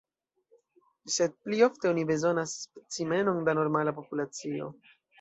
Sed pli ofte oni bezonas specimenon da normala populacio.